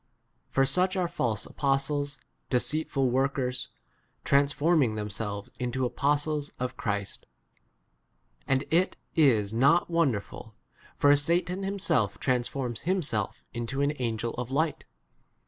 For such [are] false apos ties, deceitful workers, transform ' ing themselves into apostles of ! u Christ. And [it is] not wonderful, ! for Satan himself transforms him i 15 self into an angel of light.